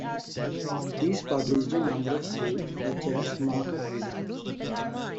He's published a number of books, such as "Market Wizards".